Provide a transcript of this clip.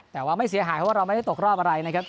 แต่ว่าไม่เสียหายเพราะว่าเราไม่ได้ตกรอบอะไรนะครับ